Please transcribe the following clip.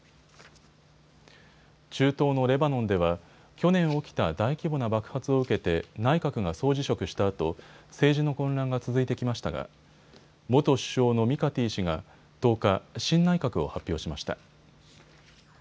中東のレバノンでは去年起きた大規模な爆発を受けて内閣が総辞職したあと政治の混乱が続いてきましたが元首相のミカティ氏が１０日、新内閣を発表しました。